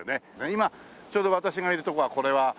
今ちょうど私がいる所がこれは。